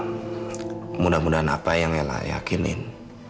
ya mudah mudahan apa yang ela yakinin